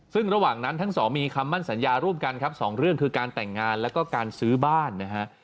ซึ่งระหว่างนั้นทั้งสองมีคำมั่นสัญญาร่วมกันครับสองเรื่องคือการแต่งงานแล้วก็การซื้อบ้านนะฮะ